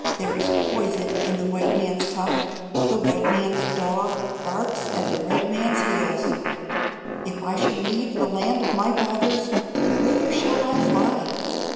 There is poison in the white man's cup; the white man's dog barks at the red man's heels. If I should leave the land of my fathers, whither shall I fly?